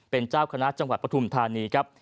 เป็นเจ้าคณะจังหวัดปฐุมธานีครับ